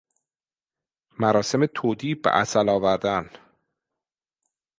مراسم تودیع بعصل آوردن